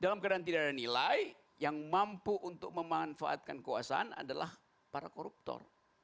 dalam keadaan tidak ada nilai yang mampu untuk memanfaatkan kekuasaan adalah para koruptor